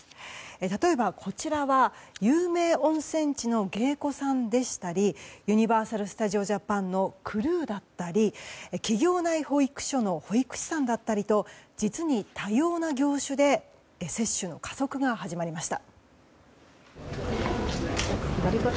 例えば、こちらは有名温泉地の芸子さんでしたりユニバーサル・スタジオ・ジャパンのクルーだったり企業内保育所の保育士さんだったりと実に多様な業種で接種の加速が始まりました。